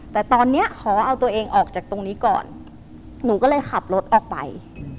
แต่ตอนนี้ขอเอาตัวเองออกจากตรงนี้ก่อนหนูก็เลยขับรถออกไป